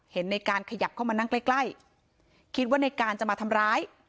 เห็นเนการขยับเข้ามานั่งใกล้คิดว่าเนการจะมาทำร้าย